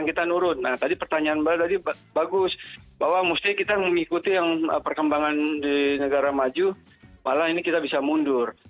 nah tadi pertanyaan mbak tadi bagus bahwa mesti kita mengikuti yang perkembangan di negara maju malah ini kita bisa mundur